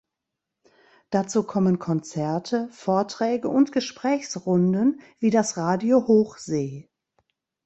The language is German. Dazu kommen Konzerte, Vorträge und Gesprächsrunden wie das Radio Hochsee.